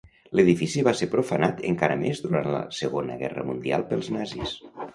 L'edifici va ser profanat encara més durant la Segona Guerra Mundial pels nazis.